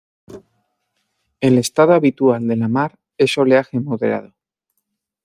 El estado habitual de la mar es oleaje moderado.